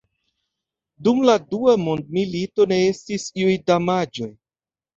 Dum la Dua mondmilito ne estis iuj damaĝoj.